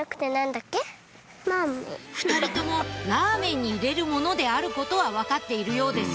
２人ともラーメンに入れるものであることは分かっているようです